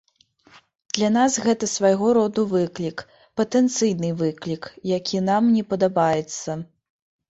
Для нас гэта свайго роду выклік, патэнцыйны выклік, які нам не падабаецца.